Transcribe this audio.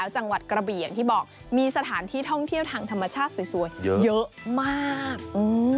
จังหวัดกระบี่อย่างที่บอกมีสถานที่ท่องเที่ยวทางธรรมชาติสวยเยอะมาก